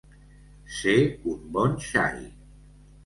Ser un bon xai.